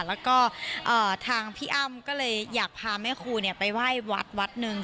แล้วก็ทางพี่อ้ำก็เลยอยากพาแม่ครูไปไหว้วัดวัดหนึ่ง